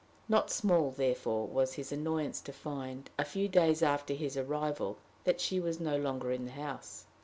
Not small, therefore, was his annoyance to find, a few days after his arrival, that she was no longer in the house.